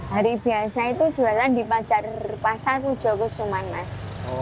hari biasa itu jualan di pasar jogosumanas